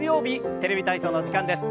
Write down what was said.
「テレビ体操」の時間です。